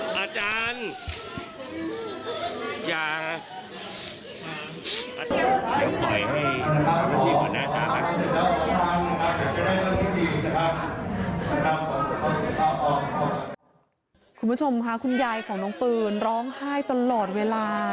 คุณผู้ชมค่ะคุณยายของน้องปืนร้องไห้ตลอดเวลา